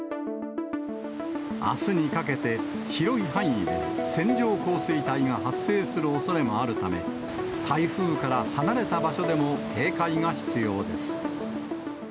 あすにかけて広い範囲で線状降水帯が発生するおそれもあるため、台風から離れた場所でも警戒が必要です。